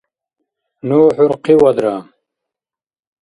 Ну ХӀурхъивадра